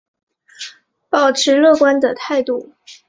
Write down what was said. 抱持乐观的态度